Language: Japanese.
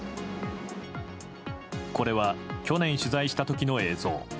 これは去年取材した時の映像。